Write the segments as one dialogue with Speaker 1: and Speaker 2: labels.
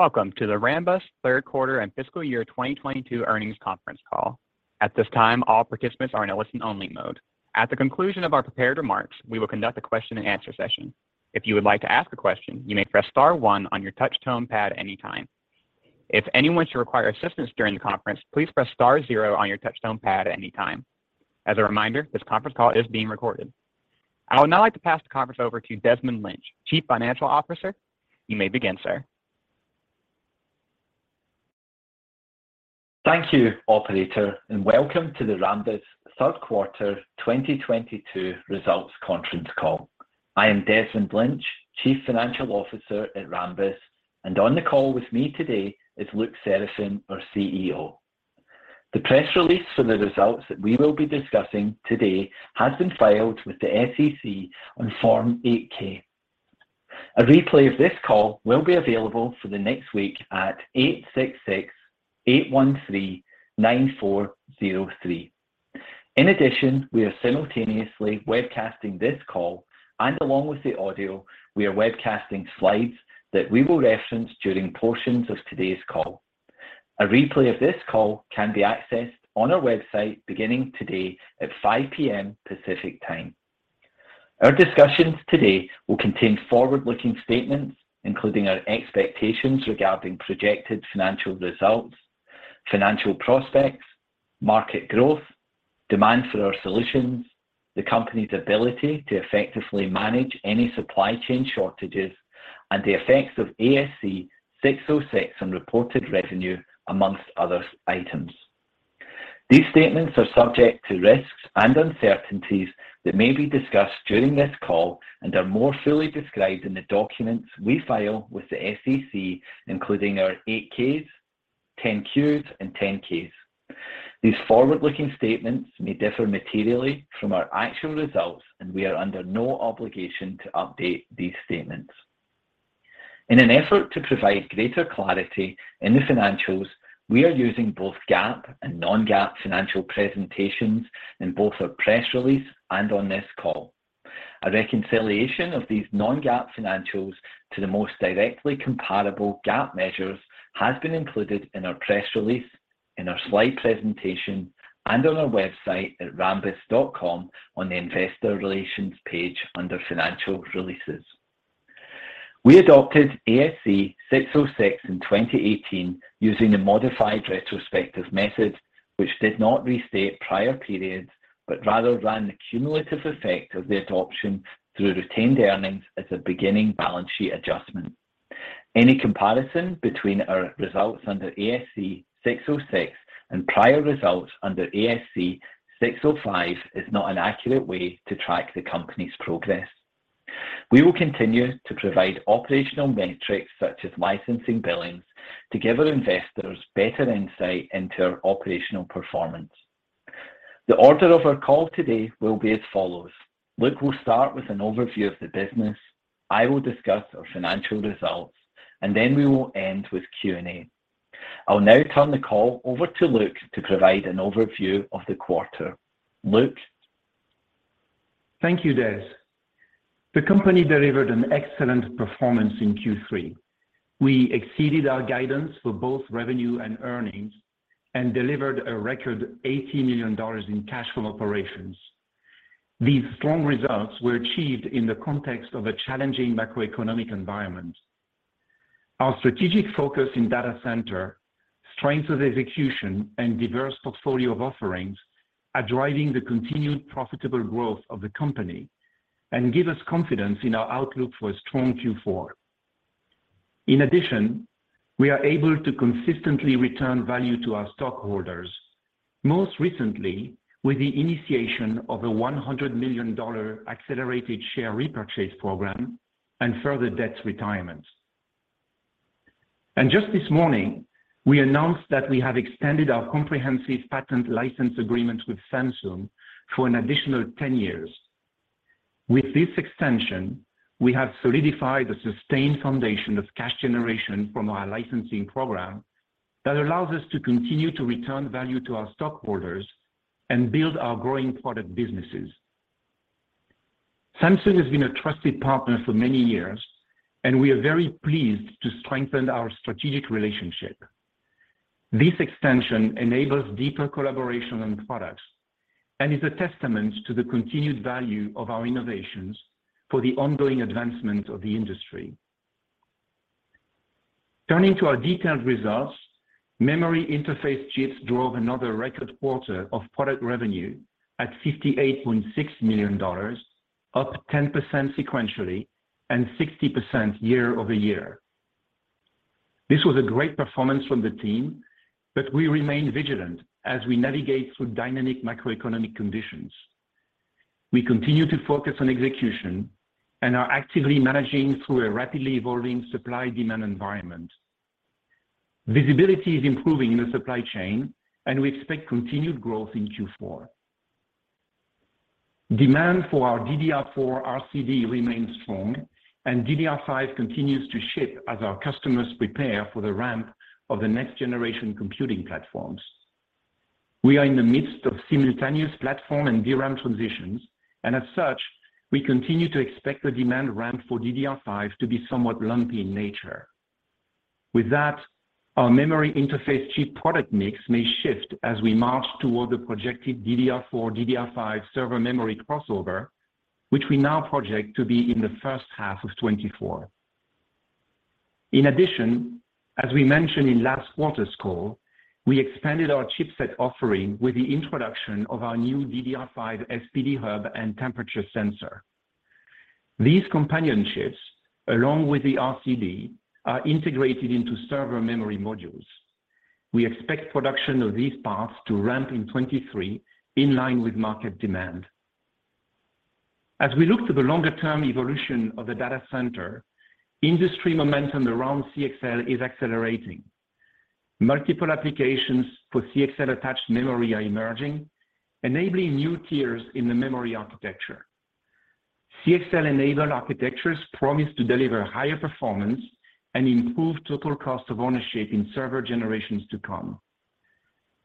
Speaker 1: Welcome to the Rambus Q3 and Fiscal Year 2022 earnings conference call. At this time, all participants are in a listen-only mode. At the conclusion of our prepared remarks, we will conduct a question-and-answer session. If you would like to ask a question, you may press star one on your touch tone pad anytime. If anyone should require assistance during the conference, please press star zero on your touch tone pad at any time. As a reminder, this conference call is being recorded. I would now like to pass the conference over to Desmond Lynch, Chief Financial Officer. You may begin, sir.
Speaker 2: Thank you, operator, and welcome to the Rambus Q3 2022 results conference call. I am Desmond Lynch, Chief Financial Officer at Rambus, and on the call with me today is Luc Seraphin, our CEO. The press release for the results that we will be discussing today has been filed with the SEC on Form 8-K. A replay of this call will be available for the next week at 866-813-9403. In addition, we are simultaneously webcasting this call, and along with the audio, we are webcasting slides that we will reference during portions of today's call. A replay of this call can be accessed on our website beginning today at 5 P.M. Pacific Time. Our discussions today will contain forward-looking statements, including our expectations regarding projected financial results, financial prospects, market growth, demand for our solutions, the company's ability to effectively manage any supply chain shortages, and the effects of ASC 606 on reported revenue, among other items. These statements are subject to risks and uncertainties that may be discussed during this call and are more fully described in the documents we file with the SEC, including our 8-Ks, 10-Qs, and 10-Ks. These forward-looking statements may differ materially from our actual results, and we are under no obligation to update these statements. In an effort to provide greater clarity in the financials, we are using both GAAP and Non-GAAP financial presentations in both our press release and on this call. A reconciliation of these Non-GAAP financials to the most directly comparable GAAP measures has been included in our press release, in our slide presentation, and on our website at rambus.com on the Investor Relations page under Financial Releases. We adopted ASC 606 in 2018 using a modified retrospective method, which did not restate prior periods, but rather ran the cumulative effect of the adoption through retained earnings as a beginning balance sheet adjustment. Any comparison between our results under ASC 606 and prior results under ASC 605 is not an accurate way to track the company's progress. We will continue to provide operational metrics such as licensing billings to give our investors better insight into our operational performance. The order of our call today will be as follows: Luc will start with an overview of the business, I will discuss our financial results, and then we will end with Q&A. I'll now turn the call over to Luc to provide an overview of the quarter. Luc?
Speaker 3: Thank you, Des. The company delivered an excellent performance in Q3. We exceeded our guidance for both revenue and earnings and delivered a record $80 million in cash from operations. These strong results were achieved in the context of a challenging macroeconomic environment. Our strategic focus in data center, strength of execution, and diverse portfolio of offerings are driving the continued profitable growth of the company and give us confidence in our outlook for a strong Q4. In addition, we are able to consistently return value to our stockholders, most recently with the initiation of a $100 million accelerated share repurchase program and further debt retirement. Just this morning, we announced that we have extended our comprehensive patent license agreement with Samsung for an additional 10 years. With this extension, we have solidified a sustained foundation of cash generation from our licensing program that allows us to continue to return value to our stockholders and build our growing product businesses. Samsung has been a trusted partner for many years, and we are very pleased to strengthen our strategic relationship. This extension enables deeper collaboration on products and is a testament to the continued value of our innovations for the ongoing advancement of the industry. Turning to our detailed results, Memory Interface Chips drove another record quarter of product revenue at $58.6 million, up 10% sequentially and 60% year-over-year. This was a great performance from the team, but we remain vigilant as we navigate through dynamic macroeconomic conditions. We continue to focus on execution and are actively managing through a rapidly evolving supply-demand environment. Visibility is improving in the supply chain, and we expect continued growth in Q4. Demand for our DDR4 RCD remains strong, and DDR5 continues to ship as our customers prepare for the ramp of the next-generation computing platforms. We are in the midst of simultaneous platform and DRAM transitions, and as such, we continue to expect the demand ramp for DDR5 to be somewhat lumpy in nature. With that, our Memory Interface Chip product mix may shift as we march toward the projected DDR4/DDR5 server memory crossover, which we now project to be in the first half of 2024. In addition, as we mentioned in last quarter's call, we expanded our chipset offering with the introduction of our new DDR5 SPD Hub and Temperature Sensor. These companion chips, along with the RCD, are integrated into server memory modules. We expect production of these parts to ramp in 2023 in line with market demand. As we look to the longer-term evolution of the data center, industry momentum around CXL is accelerating. Multiple applications for CXL-attached memory are emerging, enabling new tiers in the memory architecture. CXL-enabled architectures promise to deliver higher performance and improve total cost of ownership in server generations to come.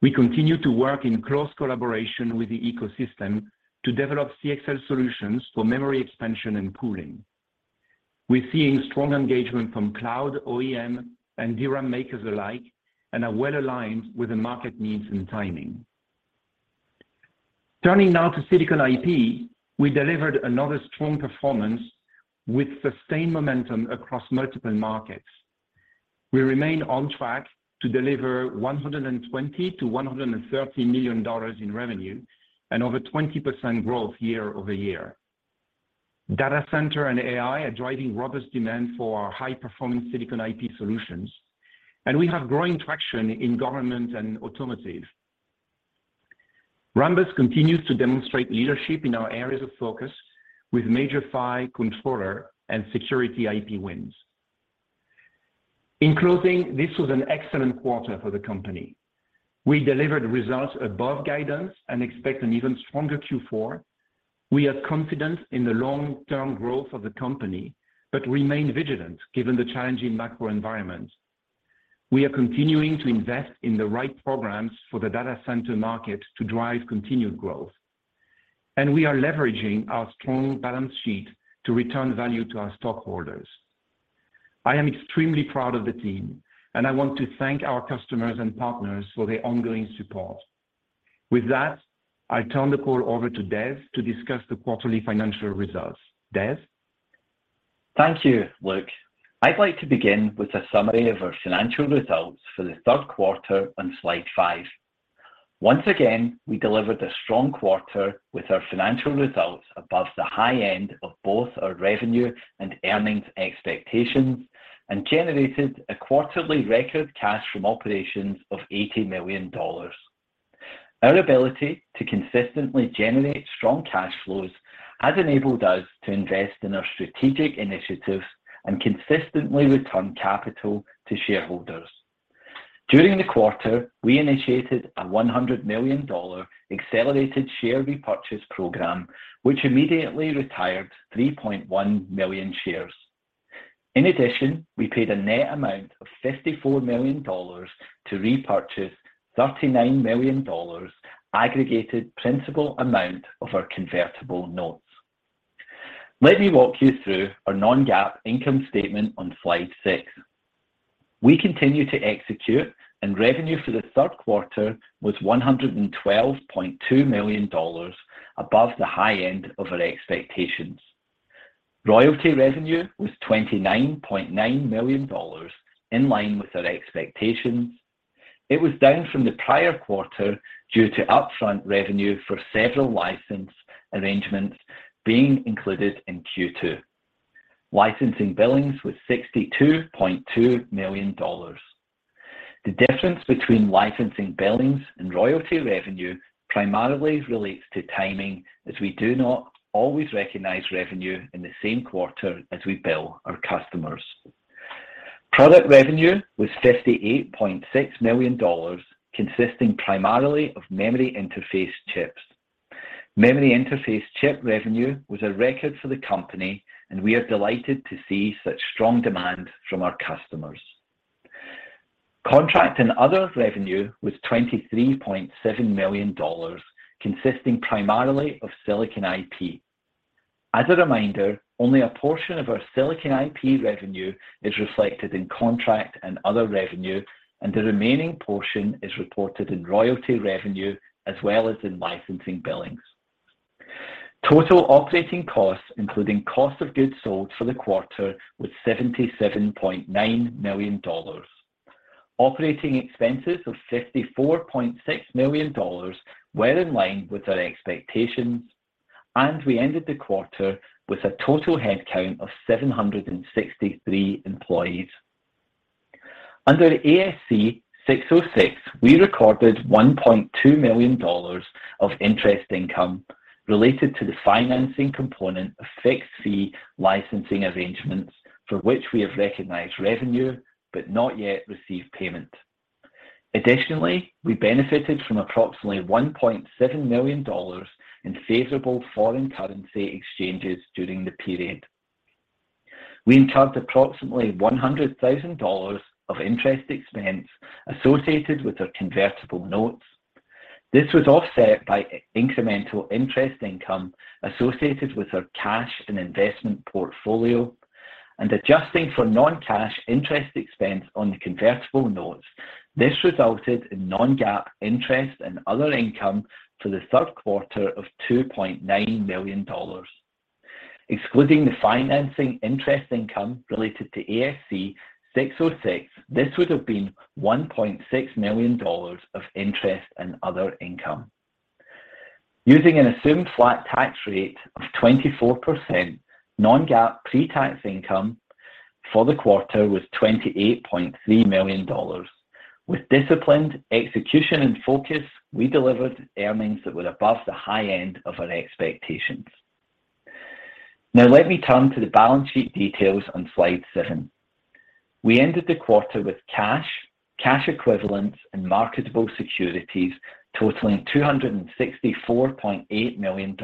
Speaker 3: We continue to work in close collaboration with the ecosystem to develop CXL-solutions for memory expansion and pooling. We're seeing strong engagement from cloud, OEM, and DRAM makers alike and are well-aligned with the market needs and timing. Turning now to Silicon IP, we delivered another strong performance with sustained momentum across multiple markets. We remain on track to deliver $120 million-$130 million in revenue and over 20% growth year-over-year. Data center and AI are driving robust demand for our high-performance Silicon IP solutions, and we have growing traction in government and automotive. Rambus continues to demonstrate leadership in our areas of focus with major PHY controller and security IP wins. In closing, this was an excellent quarter for the company. We delivered results above guidance and expect an even stronger Q4. We have confidence in the long-term growth of the company but remain vigilant given the challenging macro environment. We are continuing to invest in the right programs for the data center market to drive continued growth, and we are leveraging our strong balance sheet to return value to our stockholders. I am extremely proud of the team, and I want to thank our customers and partners for their ongoing support. With that, I turn the call over to Des to discuss the quarterly financial results. Des?
Speaker 2: Thank you, Luc. I'd like to begin with a summary of our financial results for the third quarter on slide five. Once again, we delivered a strong quarter with our financial results above the high end of both our revenue and earnings expectations and generated a quarterly record cash from operations of $80 million. Our ability to consistently generate strong cash flows has enabled us to invest in our strategic initiatives and consistently return capital to shareholders. During the quarter, we initiated a $100 million accelerated share repurchase program, which immediately retired 3.1 million shares. In addition, we paid a net amount of $54 million to repurchase $39 million aggregated principal amount of our convertible notes. Let me walk you through our Non-GAAP income statement on slide six. We continue to execute, and revenue for the third quarter was $112.2 million above the high end of our expectations. Royalty revenue was $29.9 million in line with our expectations. It was down from the prior quarter due to upfront revenue for several license arrangements being included in Q2. Licensing billings was $62.2 million. The difference between licensing billings and royalty revenue primarily relates to timing, as we do not always recognize revenue in the same quarter as we bill our customers. Product revenue was $58.6 million, consisting primarily of Memory Interface Chips. Memory Interface Chip revenue was a record for the company, and we are delighted to see such strong demand from our customers. Contract and others revenue was $23.7 million, consisting primarily of Silicon IP. As a reminder, only a portion of our Silicon IP revenue is reflected in contract and other revenue, and the remaining portion is reported in royalty revenue as well as in licensing billings. Total operating costs, including cost of goods sold for the quarter, was $77.9 million. Operating expenses of $54.6 million were in line with our expectations, and we ended the quarter with a total headcount of 763 employees. Under ASC 606, we recorded $1.2 million of interest income related to the financing component of fixed-fee licensing arrangements for which we have recognized revenue but not yet received payment. Additionally, we benefited from approximately $1.7 million in favorable foreign currency exchanges during the period. We incurred approximately $100,000 of interest expense associated with our convertible notes. This was offset by incremental interest income associated with our cash and investment portfolio and adjusting for non-cash interest expense on the convertible notes. This resulted in Non-GAAP interest and other income for the third quarter of $2.9 million. Excluding the financing interest income related to ASC 606, this would have been $1.6 million of interest and other income. Using an assumed flat tax rate of 24%, Non-GAAP pre-tax income for the quarter was $28.3 million. With disciplined execution and focus, we delivered earnings that were above the high end of our expectations. Now let me turn to the balance sheet details on slide seven. We ended the quarter with cash equivalents, and marketable securities totaling $264.8 million,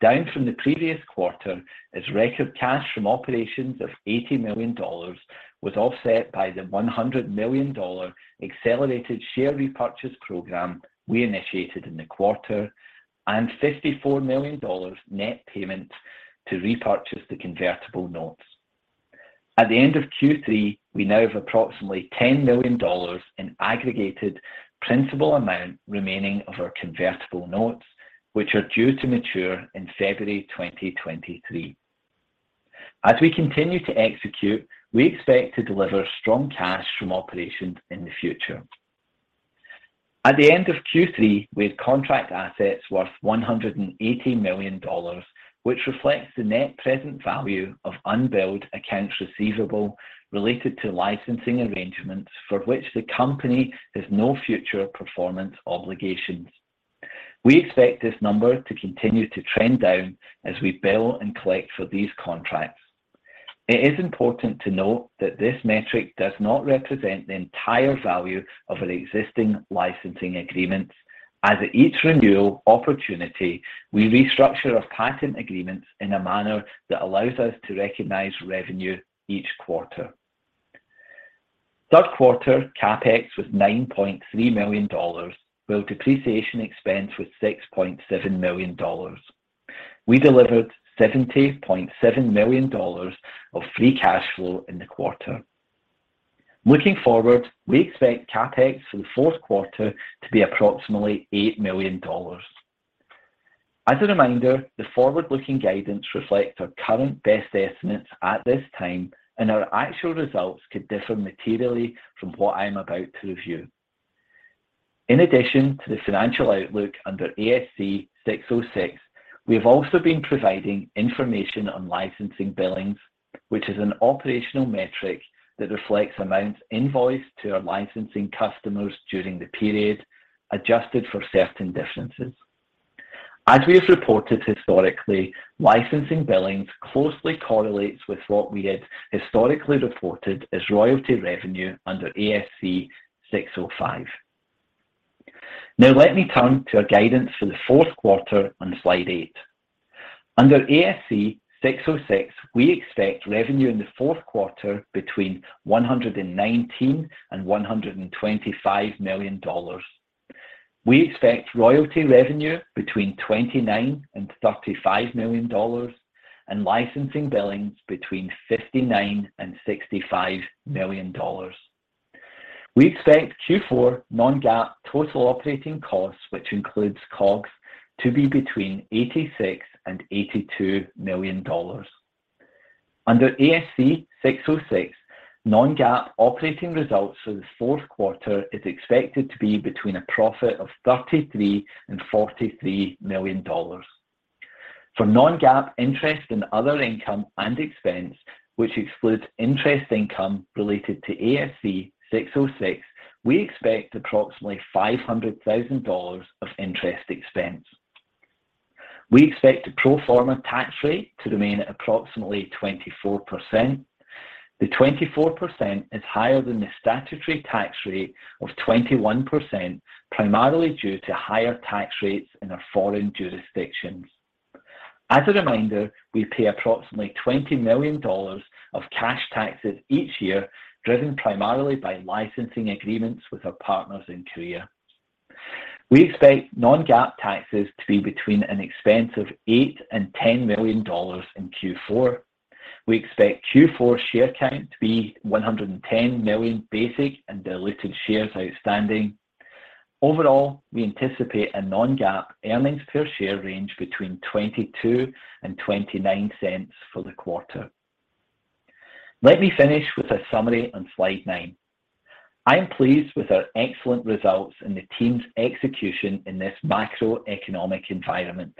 Speaker 2: down from the previous quarter as record cash from operations of $80 million was offset by the $100 million accelerated share repurchase program we initiated in the quarter and $54 million net payment to repurchase the convertible notes. At the end of Q3, we now have approximately $10 million in aggregated principal amount remaining of our convertible notes, which are due to mature in February 2023. We continue to execute. We expect to deliver strong cash from operations in the future. At the end of Q3, we had contract assets worth $180 million, which reflects the net present value of unbilled accounts receivable related to licensing arrangements for which the company has no future performance obligations. We expect this number to continue to trend down as we bill and collect for these contracts. It is important to note that this metric does not represent the entire value of our existing licensing agreements as at each renewal opportunity, we restructure our patent agreements in a manner that allows us to recognize revenue each quarter. Third quarter CapEx was $9.3 million, while depreciation expense was $6.7 million. We delivered $70.7 million of free cash flow in the quarter. Looking forward, we expect CapEx for the fourth quarter to be approximately $8 million. As a reminder, the forward-looking guidance reflects our current best estimates at this time, and our actual results could differ materially from what I'm about to review. In addition to the financial outlook under ASC 606, we have also been providing information on licensing billings, which is an operational metric that reflects amounts invoiced to our licensing customers during the period, adjusted for certain differences. As we have reported historically, licensing billings closely correlates with what we had historically reported as royalty revenue under ASC 605. Now let me turn to our guidance for the fourth quarter on slide eight. Under ASC 606, we expect revenue in the fourth quarter between $119 million and $125 million. We expect royalty revenue between $29 million and $35 million and licensing billings between $59 million and $65 million. We expect Q4 Non-GAAP total operating costs, which includes COGS to be between $86 million and $82 million. Under ASC 606 Non-GAAP operating results for the fourth quarter is expected to be between a profit of $33 million and $43 million. For Non-GAAP interest and other income and expense, which excludes interest income related to ASC 606, we expect approximately $500 thousand of interest expense. We expect the pro forma tax rate to remain at approximately 24%. The 24% is higher than the statutory tax rate of 21%, primarily due to higher tax rates in our foreign jurisdictions. As a reminder, we pay approximately $20 million of cash taxes each year, driven primarily by licensing agreements with our partners in Korea. We expect Non-GAAP taxes to be between an expense of $8 million and $10 million in Q4. We expect Q4 share count to be 110 million basic and diluted shares outstanding. Overall, we anticipate a Non-GAAP earnings per share range between $0.22 and $0.29 for the quarter. Let me finish with a summary on slide nine. I am pleased with our excellent results and the team's execution in this macroeconomic environment.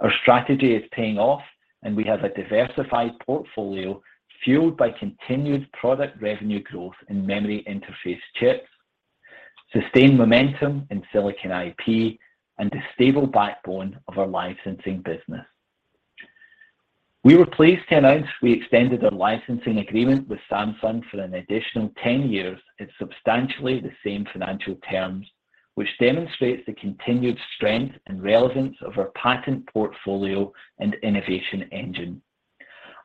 Speaker 2: Our strategy is paying off, and we have a diversified portfolio fueled by continued product revenue growth in Memory Interface Chips, sustained momentum in Silicon IP, and the stable backbone of our licensing business. We were pleased to announce we extended our licensing agreement with Samsung for an additional 10 years at substantially the same financial terms. Which demonstrates the continued strength and relevance of our patent portfolio and innovation engine.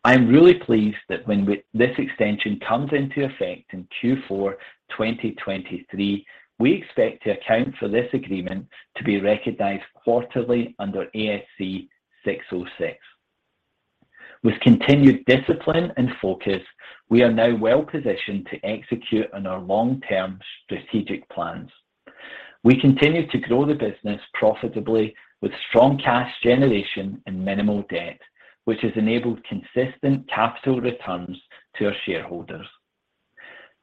Speaker 2: I am really pleased that when this extension comes into effect in Q4 2023, we expect to account for this agreement to be recognized quarterly under ASC 606. With continued discipline and focus, we are now well positioned to execute on our long-term strategic plans. We continue to grow the business profitably with strong cash generation and minimal debt, which has enabled consistent capital returns to our shareholders.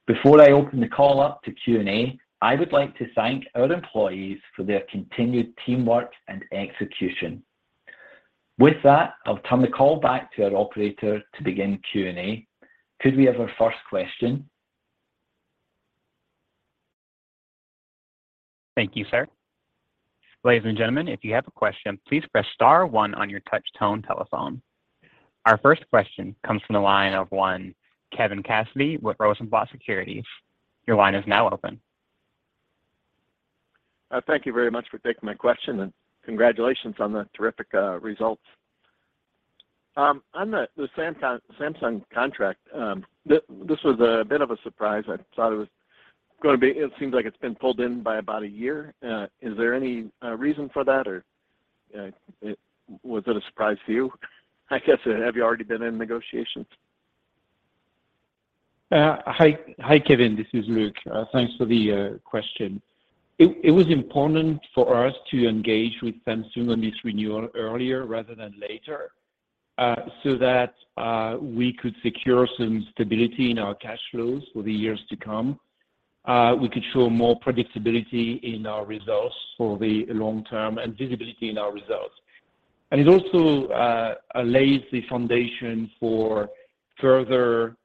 Speaker 2: Before I open the call up to Q&A, I would like to thank our employees for their continued teamwork and execution. With that, I'll turn the call back to our operator to begin Q&A. Could we have our first question?
Speaker 1: Thank you, sir. Ladies and gentlemen, if you have a question, please press star one on your touch tone telephone. Our first question comes from the line of Kevin Cassidy with Rosenblatt Securities. Your line is now open.
Speaker 4: Thank you very much for taking my question, and congratulations on the terrific results. On the Samsung contract, this was a bit of a surprise. I thought it was gonna be. It seems like it's been pulled in by about a year. Is there any reason for that, or was it a surprise to you? I guess, have you already been in negotiations?
Speaker 3: Hi Kevin. This is Luc. Thanks for the question. It was important for us to engage with Samsung on this renewal earlier rather than later, so that we could secure some stability in our cash flows for the years to come. We could show more predictability in our results for the long term and visibility in our results. It also lays the foundation for further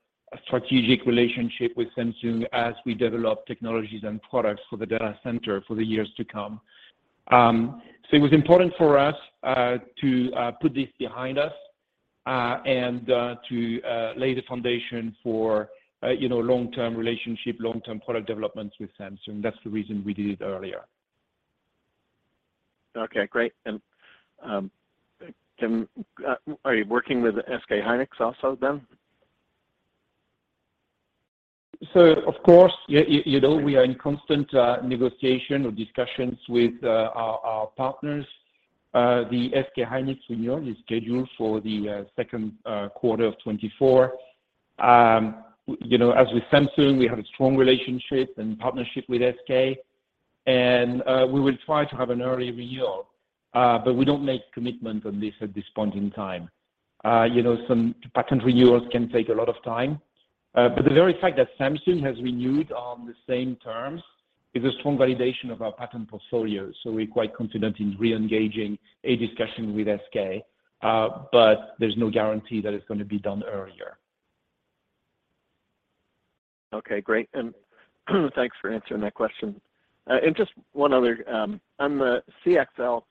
Speaker 3: strategic relationship with Samsung as we develop technologies and products for the data center for the years to come. It was important for us to put this behind us and to lay the foundation for, you know, long-term relationship, long-term product developments with Samsung. That's the reason we did it earlier.
Speaker 4: Okay, great. Are you working with SK Hynix also then?
Speaker 3: Of course. Yeah. You know, we are in constant negotiation or discussions with our partners. The SK Hynix renewal is scheduled for the second quarter of 2024. You know, as with Samsung, we have a strong relationship and partnership with SK, and we will try to have an early renewal, but we don't make commitment on this at this point in time. You know, some patent renewals can take a lot of time, but the very fact that Samsung has renewed on the same terms is a strong validation of our patent portfolio. We're quite confident in re-engaging a discussion with SK, but there's no guarantee that it's gonna be done earlier.
Speaker 4: Okay, great. Thanks for answering that question. Just one other. On the CXL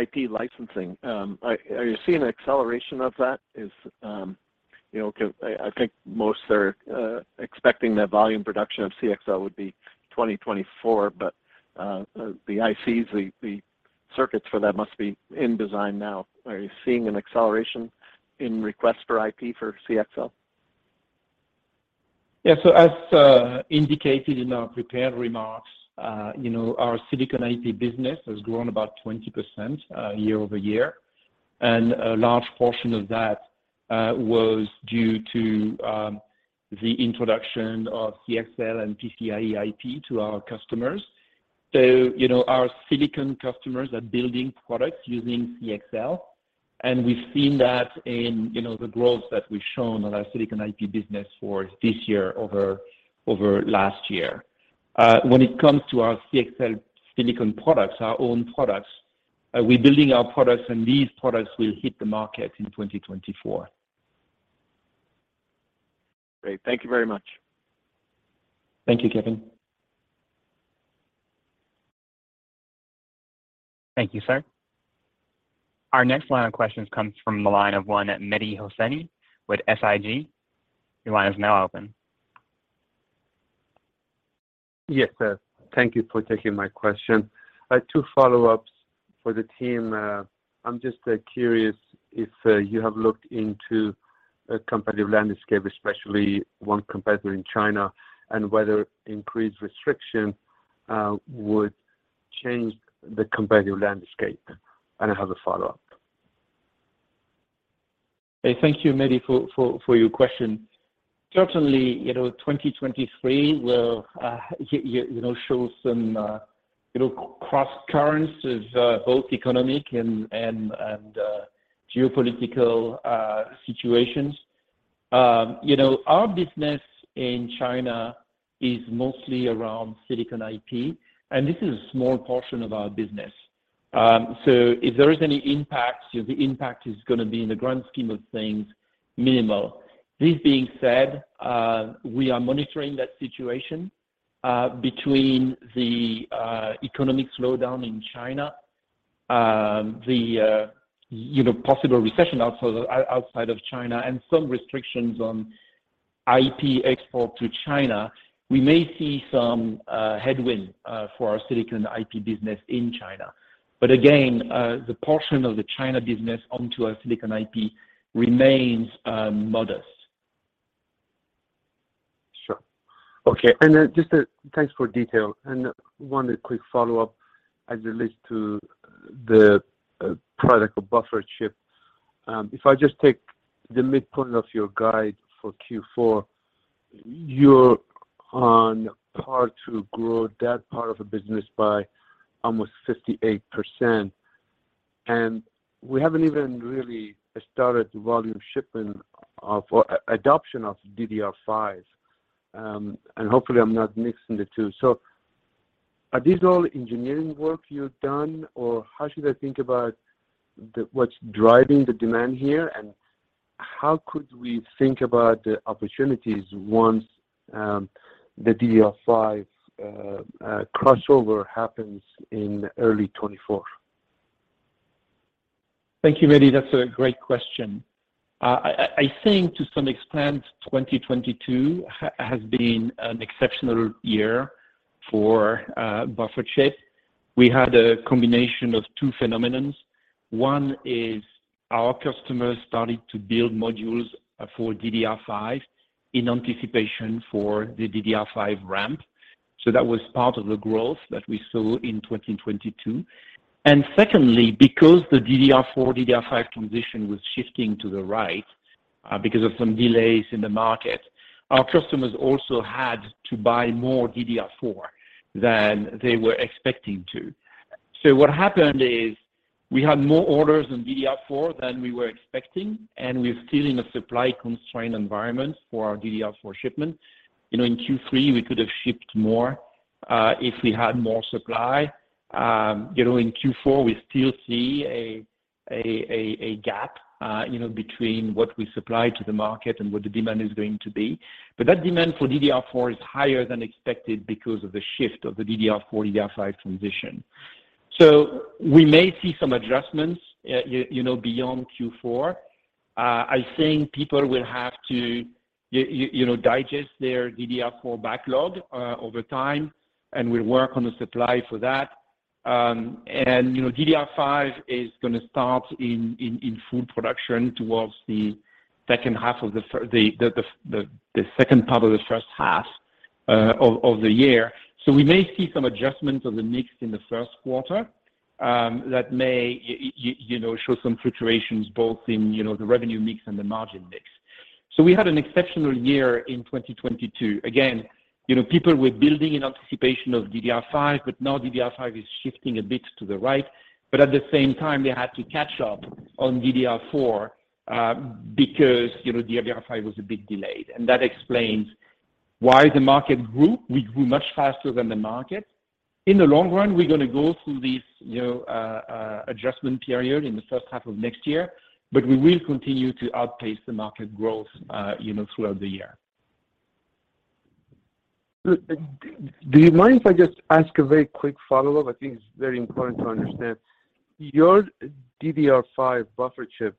Speaker 4: IP licensing, are you seeing an acceleration of that? Is, you know, 'cause I think most are expecting the volume production of CXL would be 2024, but the ICs, the circuits for that must be in design now. Are you seeing an acceleration in request for IP for CXL?
Speaker 3: Yeah. As indicated in our prepared remarks, you know, our Silicon IP business has grown about 20% year-over-year, and a large portion of that was due to the introduction of CXL and PCIe IP to our customers. You know, our silicon customers are building products using CXL, and we've seen that in you know, the growth that we've shown on our Silicon IP business for this year over last year. When it comes to our CXL silicon products, our own products, we're building our products and these products will hit the market in 2024.
Speaker 4: Great. Thank you very much.
Speaker 3: Thank you, Kevin.
Speaker 1: Thank you, sir. Our next line of questions comes from the line of Mehdi Hosseini with SIG. Your line is now open.
Speaker 5: Yes, sir. Thank you for taking my question. Two follow-ups for the team. I'm just curious if you have looked into a competitive landscape, especially one competitor in China, and whether increased restriction would change the competitive landscape. I have a follow-up.
Speaker 3: Thank you, Mehdi, for your question. Certainly, you know, 2023 will, you know, show some, you know, crosscurrents of both economic and geopolitical situations. Our business in China is mostly around Silicon IP, and this is a small portion of our business. If there is any impact, the impact is gonna be, in the grand scheme of things, minimal. This being said, we are monitoring that situation between the economic slowdown in China, you know, possible recession outside of China and some restrictions on IP export to China, we may see some headwind for our Silicon IP business in China. Again, the portion of the China business onto our Silicon IP remains modest.
Speaker 5: Sure. Okay. Then just thanks for detail. One quick follow-up as it relates to the product buffer chip. If I just take the midpoint of your guide for Q4, you're on par to grow that part of the business by almost 58%, and we haven't even really started volume shipping of or adoption of DDR5. Hopefully I'm not mixing the two. Are these all engineering work you've done? Or how should I think about what's driving the demand here? How could we think about the opportunities once the DDR5 crossover happens in early 2024?
Speaker 3: Thank you, Mehdi. That's a great question. I think to some extent, 2022 has been an exceptional year for buffer chip. We had a combination of two phenomena. One is our customers started to build modules for DDR5 in anticipation for the DDR5 ramp, so that was part of the growth that we saw in 2022. Secondly, because the DDR4/DDR5 transition was shifting to the right, because of some delays in the market, our customers also had to buy more DDR4 than they were expecting to. What happened is we had more orders on DDR4 than we were expecting, and we're still in a supply-constrained environment for our DDR4 shipments. You know, in Q3, we could have shipped more, if we had more supply. You know, in Q4, we still see a gap, you know, between what we supply to the market and what the demand is going to be. That demand for DDR4 is higher than expected because of the shift of the DDR4/DDR5 transition. We may see some adjustments, you know, beyond Q4. I think people will have to, you know, digest their DDR4 backlog over time, and we'll work on the supply for that. You know, DDR5 is gonna start in full production towards the second part of the first half of the year. We may see some adjustments on the mix in the first quarter that may, you know, show some fluctuations both in, you know, the revenue mix and the margin mix. We had an exceptional year in 2022. Again, you know, people were building in anticipation of DDR5, but now DDR5 is shifting a bit to the right. But at the same time, they had to catch up on DDR4 because, you know, DDR5 was a bit delayed, and that explains why the market grew. We grew much faster than the market. In the long run, we're gonna go through this, you know, adjustment period in the first half of next year, but we will continue to outpace the market growth, you know, throughout the year.
Speaker 5: Do you mind if I just ask a very quick follow-up? I think it's very important to understand. Your DDR5 buffer chip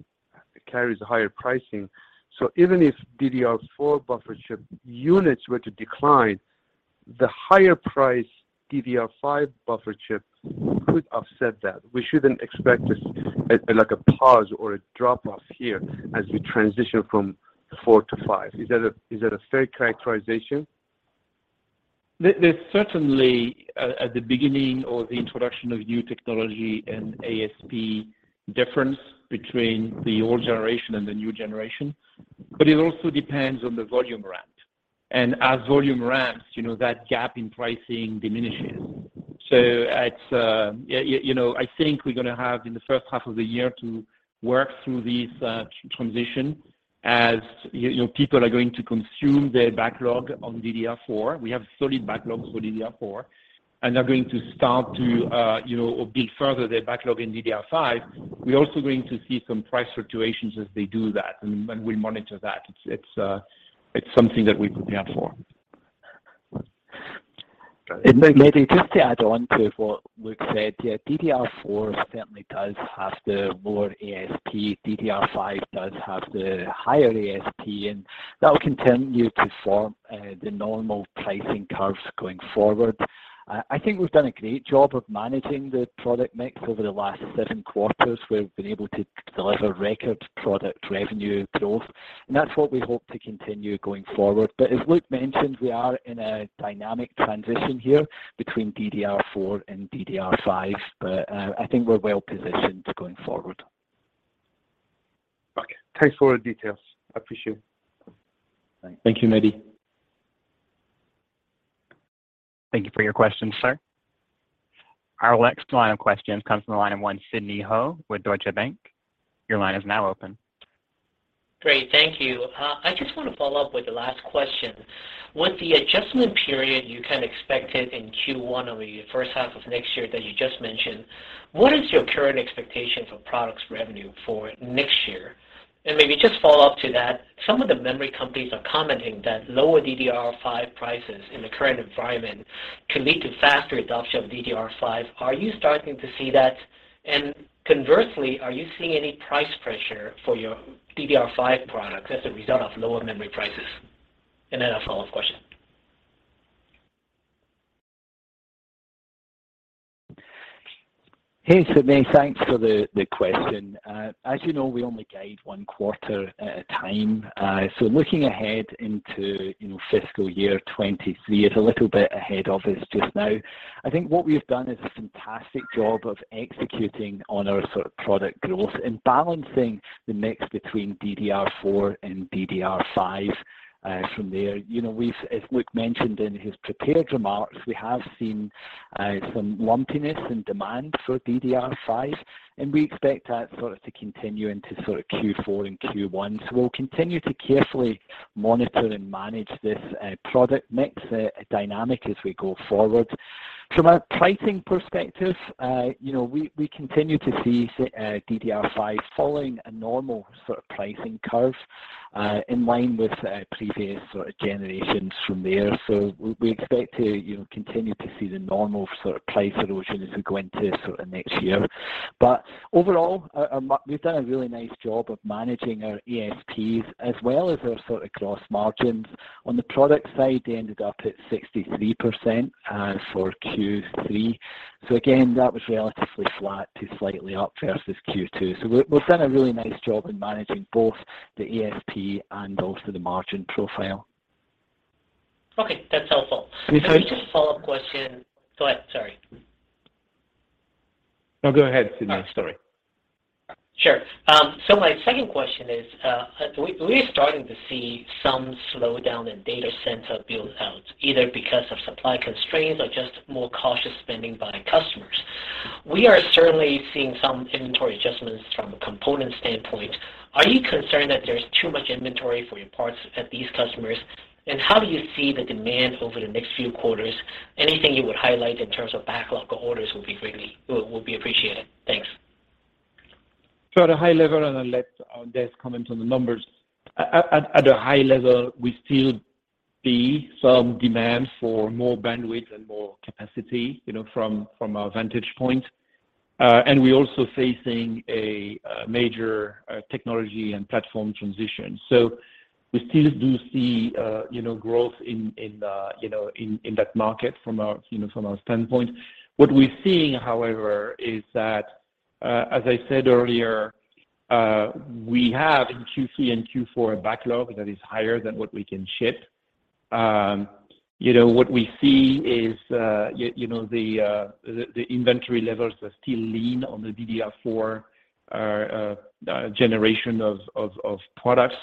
Speaker 5: carries a higher pricing, so even if DDR4 buffer chip units were to decline, the higher price DDR5 buffer chip could offset that. We shouldn't expect this as like a pause or a drop-off here as we transition from four to five. Is that a fair characterization?
Speaker 3: There's certainly at the beginning or the introduction of new technology and ASP difference between the old generation and the new generation, but it also depends on the volume ramp. As volume ramps, you know, that gap in pricing diminishes. It's you know, I think we're gonna have in the first half of the year to work through this transition as you know, people are going to consume their backlog on DDR4. We have solid backlogs for DDR4, and they're going to start to or build further their backlog in DDR5. We're also going to see some price fluctuations as they do that, and we'll monitor that. It's something that we've prepared for.
Speaker 5: Got it.
Speaker 2: Mehdi, just to add on to what Luc said. Yeah, DDR4 certainly does have the lower ASP. DDR5 does have the higher ASP, and that will continue to form the normal pricing curves going forward. I think we've done a great job of managing the product mix over the last seven quarters, where we've been able to deliver record product revenue growth, and that's what we hope to continue going forward. As Luc mentioned, we are in a dynamic transition here between DDR4 and DDR5, but I think we're well positioned going forward.
Speaker 5: Okay. Thanks for the details. I appreciate it.
Speaker 3: Thank you, Mehdi.
Speaker 1: Thank you for your question, sir. Our next line of questions comes from the line of Sidney Ho with Deutsche Bank. Your line is now open.
Speaker 6: Great. Thank you. I just want to follow up with the last question. With the adjustment period you kind of expected in Q1 over your first half of next year that you just mentioned, what is your current expectation for products revenue for next year? Maybe just follow up to that, some of the memory companies are commenting that lower DDR5 prices in the current environment can lead to faster adoption of DDR5. Are you starting to see that? And conversely, are you seeing any price pressure for your DDR5 products as a result of lower memory prices? A follow-up question.
Speaker 2: Hey, Sidney. Thanks for the question. As you know, we only guide one quarter at a time. Looking ahead into, you know, fiscal year 2023, it's a little bit ahead of us just now. I think what we've done is a fantastic job of executing on our sort of product growth and balancing the mix between DDR4 and DDR5 from there. You know, we've as Luc mentioned in his prepared remarks, we have seen some lumpiness in demand for DDR5, and we expect that sort of to continue into sort of Q4 and Q1. We'll continue to carefully monitor and manage this product mix dynamic as we go forward. From a pricing perspective, you know, we continue to see DDR5 following a normal sort of pricing curve in line with previous sort of generations from there. We expect to, you know, continue to see the normal sort of price erosion as we go into sort of next year. But overall, we've done a really nice job of managing our ASPs as well as our sort of gross margins. On the product side, they ended up at 63% for Q3. Again, that was relatively flat to slightly up versus Q2. We've done a really nice job in managing both the ASP and also the margin profile.
Speaker 6: Okay. That's helpful.
Speaker 2: Sidney, how
Speaker 6: Just a follow-up question. Go ahead, sorry.
Speaker 3: No, go ahead, Sidney. Sorry.
Speaker 6: Sure. My second question is, we're starting to see some slowdown in data center build outs, either because of supply constraints or just more cautious spending by customers. We are certainly seeing some inventory adjustments from a component standpoint. Are you concerned that there's too much inventory for your parts at these customers? How do you see the demand over the next few quarters? Anything you would highlight in terms of backlog or orders will be greatly appreciated. Thanks.
Speaker 3: At a high level, I'll let Des comment on the numbers. At a high level, we still see some demand for more bandwidth and more capacity, you know, from our vantage point. We're also facing a major technology and platform transition. We still do see, you know, growth in that market from our standpoint. What we're seeing, however, is that, as I said earlier, we have in Q3 and Q4 a backlog that is higher than what we can ship. What we see is the inventory levels are still lean on the DDR4 generation of products.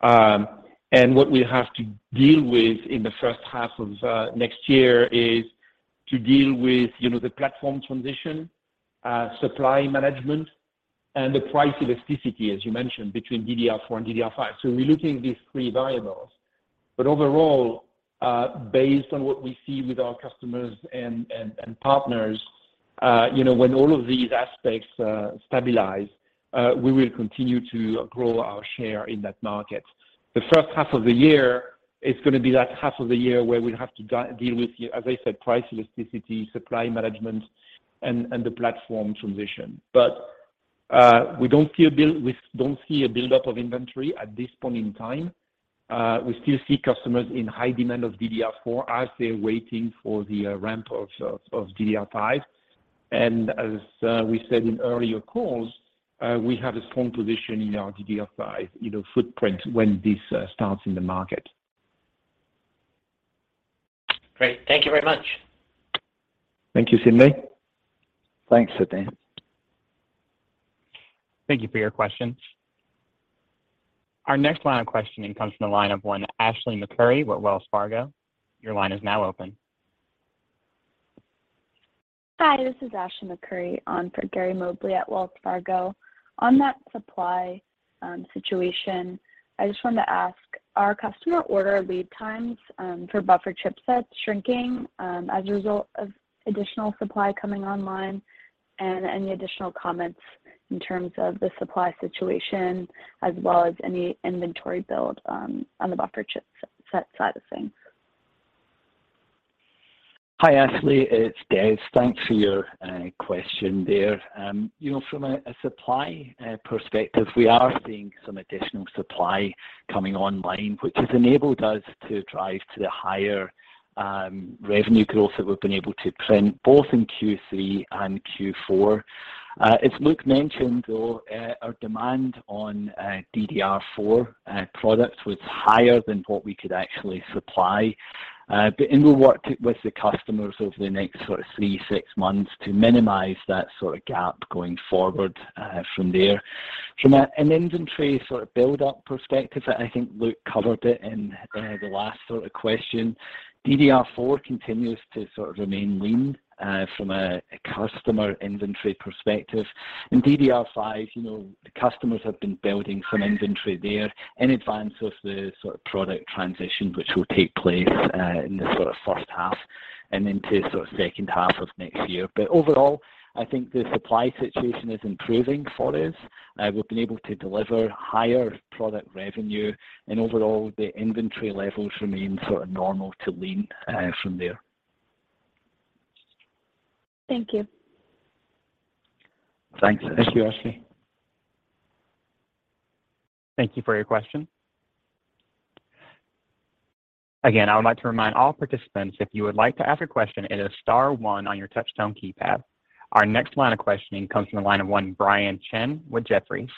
Speaker 3: What we have to deal with in the first half of next year is to deal with, you know, the platform transition, supply management, and the price elasticity, as you mentioned, between DDR4 and DDR5. We're looking at these three variables. Overall, based on what we see with our customers and partners, you know, when all of these aspects stabilize, we will continue to grow our share in that market. The first half of the year is gonna be that half of the year where we have to deal with, as I said, price elasticity, supply management and the platform transition. We don't see a buildup of inventory at this point in time. We still see customers in high demand of DDR4 as they're waiting for the ramp of DDR5. As we said in earlier calls, we have a strong position in our DDR5, you know, footprint when this starts in the market.
Speaker 6: Great. Thank you very much.
Speaker 3: Thank you, Sidney.
Speaker 2: Thanks, Sidney.
Speaker 1: Thank you for your questions. Our next line of questioning comes from the line of Gary Mobley with Wells Fargo. Your line is now open.
Speaker 7: Hi, this is Ashley McCurry on for Gary Mobley at Wells Fargo. On that supply situation, I just wanted to ask, are customer order lead times for buffer chipsets shrinking as a result of additional supply coming online? Any additional comments in terms of the supply situation as well as any inventory build on the buffer chipset side of things?
Speaker 2: Hi, Ashley. It's Des. Thanks for your question there. You know, from a supply perspective, we are seeing some additional supply coming online, which has enabled us to drive to the higher revenue growth that we've been able to trend both in Q3 and Q4. As Luc mentioned, though, our demand on DDR4 products was higher than what we could actually supply. We worked with the customers over the next sort of three - six months to minimize that sort of gap going forward from there. From an inventory sort of buildup perspective, I think Luc covered it in the last sort of question. DDR4 continues to sort of remain lean from a customer inventory perspective. In DDR5, you know, the customers have been building some inventory there in advance of the sort of product transition which will take place in the sort of first half and into sort of second half of next year. Overall, I think the supply situation is improving for us. We've been able to deliver higher product revenue and overall the inventory levels remain sort of normal to lean from there.
Speaker 7: Thank you.
Speaker 2: Thanks.
Speaker 3: Thank you, Ashley.
Speaker 1: Thank you for your question. Again, I would like to remind all participants if you would like to ask a question, it is star one on your touch tone keypad. Our next question comes from the line of Brian Chan with Jefferies.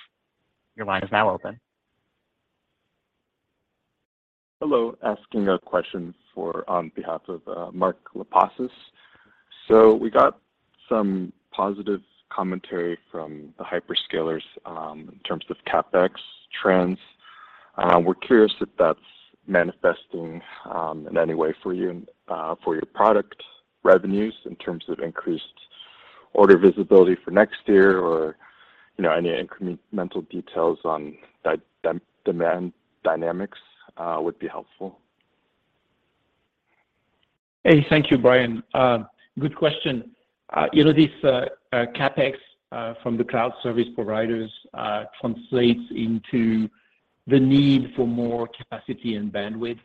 Speaker 1: Your line is now open.
Speaker 8: Hello. Asking a question on behalf of Mark Lipacis. We got some positive commentary from the hyper-scalers in terms of CapEx trends. We're curious if that's manifesting in any way for you and for your product revenues in terms of increased order visibility for next year or, you know, any incremental details on demand dynamics would be helpful.
Speaker 3: Hey, thank you, Brian. Good question. You know, this CapEx from the cloud service providers translates into the need for more capacity and bandwidth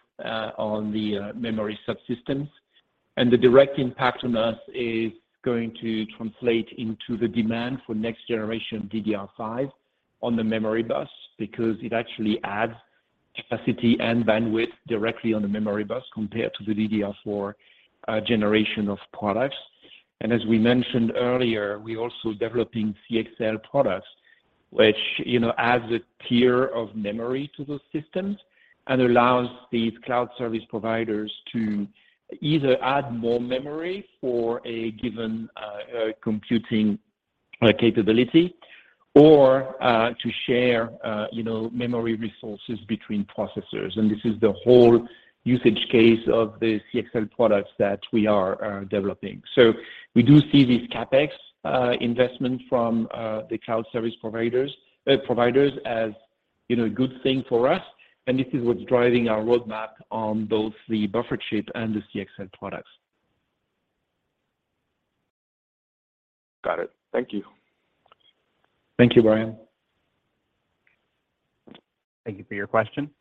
Speaker 3: on the memory subsystems. The direct impact on us is going to translate into the demand for next generation DDR5 on the memory bus because it actually adds capacity and bandwidth directly on the memory bus compared to the DDR4 generation of products. As we mentioned earlier, we're also developing CXL products which you know adds a tier of memory to those systems and allows these cloud service providers to either add more memory for a given computing capability or to share you know memory resources between processors, and this is the whole use case of the CXL products that we are developing. We do see these CapEx investment from the cloud service providers as, you know, a good thing for us, and this is what's driving our roadmap on both the buffer chip and the CXL products.
Speaker 8: Got it. Thank you
Speaker 3: Thank you, Brian.
Speaker 1: Thank you for your question.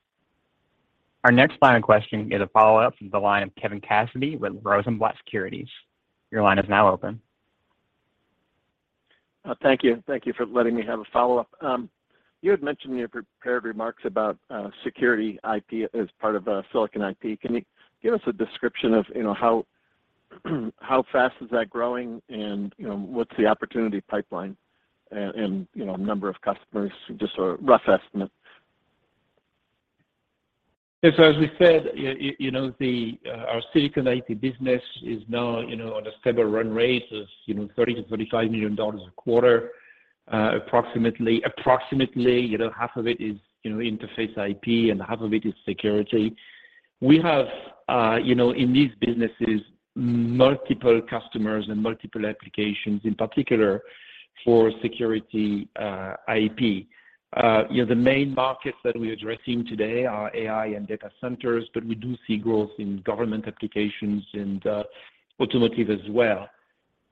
Speaker 1: Our next line of questioning is a follow-up from the line of Kevin Cassidy with Rosenblatt Securities. Your line is now open.
Speaker 4: Thank you. Thank you for letting me have a follow-up. You had mentioned in your prepared remarks about Security IP as part of Silicon IP. Can you give us a description of, you know, how fast is that growing and, you know, what's the opportunity pipeline and, you know, number of customers, just a rough estimate?
Speaker 3: Yes, as we said, you know, our Silicon IP business is now, you know, on a stable run rate of, you know, $30 million - $35 million a quarter. Approximately, you know, half of it is, you know, interface IP and half of it is security. We have, you know, in these businesses, multiple customers and multiple applications, in particular for security IP. You know, the main markets that we're addressing today are AI and data centers, but we do see growth in government applications and automotive as well.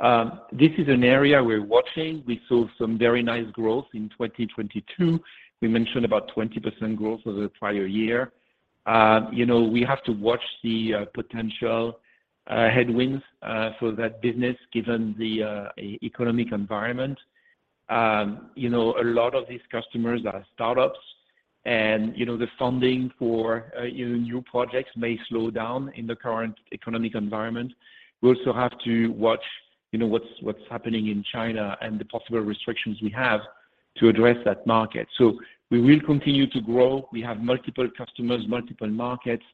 Speaker 3: This is an area we're watching. We saw some very nice growth in 2022. We mentioned about 20% growth over the prior year. You know, we have to watch the potential headwinds for that business given the economic environment. You know, a lot of these customers are startups and, you know, the funding for, you know, new projects may slow down in the current economic environment. We also have to watch, you know, what's happening in China and the possible restrictions we have to address that market. We will continue to grow. We have multiple customers, multiple markets,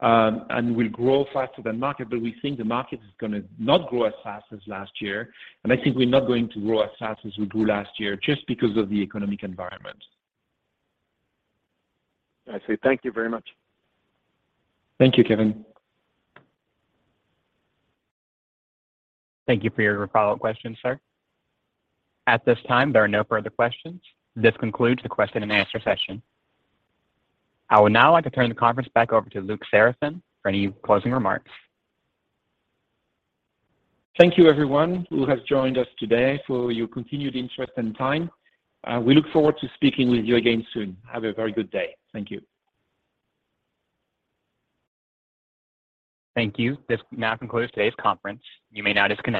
Speaker 3: and we'll grow faster than market, but we think the market is gonna not grow as fast as last year, and I think we're not going to grow as fast as we grew last year just because of the economic environment.
Speaker 4: I see. Thank you very much.
Speaker 3: Thank you, Kevin.
Speaker 1: Thank you for your follow-up question, sir. At this time, there are no further questions. This concludes the question and answer session. I would now like to turn the conference back over to Luc Seraphin for any closing remarks.
Speaker 3: Thank you everyone who has joined us today for your continued interest and time. We look forward to speaking with you again soon. Have a very good day. Thank you.
Speaker 1: Thank you. This now concludes today's conference. You may now disconnect.